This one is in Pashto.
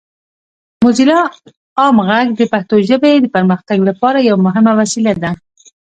موزیلا عام غږ د پښتو ژبې د پرمختګ لپاره یوه مهمه وسیله ده.